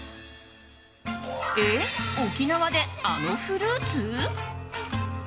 えっ、沖縄であのフルーツ？